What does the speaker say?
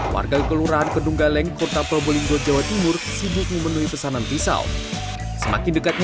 warga kelurahan kedunggaleng kota probolinggo jawa timur sibuk memenuhi pesanan pisau semakin dekatnya